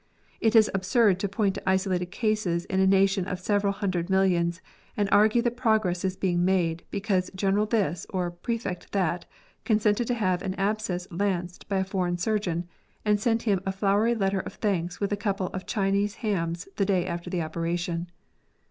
It is absurd to point to isolated cases in a nation of several hundred mil lions, and argue that progress is being made because General This or Prefect That consented to have an abscess lanced by a foreign surgeon, and sent him a flowery letter of thanks with a couple of Chinese hams the day after the operation.